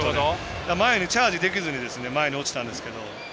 前にチャージできずに前に落ちたんですけど。